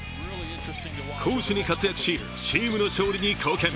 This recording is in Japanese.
攻守に活躍し、チームの勝利に貢献